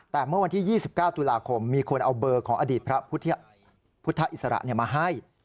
แต่เมื่อวันที่๒๙ตุลาคมมีคนเอาเบอร์ของอดีตพระพุทธอิสระมาให้